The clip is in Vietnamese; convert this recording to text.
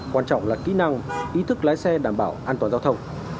quan trọng là kỹ năng ý thức lái xe đảm bảo an toàn giao thông